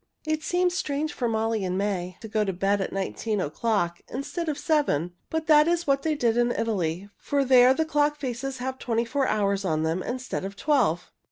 It seemed strange for Molly and May to go to bed at nineteen o'clock instead of seven, but that was what they did in Italy, for there the clock faces have twenty four hours on them instead of twelve.